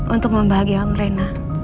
untuk membahagiakan reyna